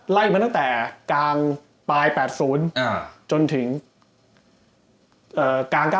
ไล่มาตั้งแต่กลางปลาย๘๐จนถึงกลาง๙